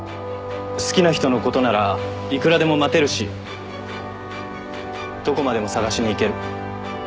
好きな人のことならいくらでも待てるしどこまでも捜しに行ける。